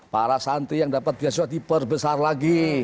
para santri yang dapat beasiswa diperbesar lagi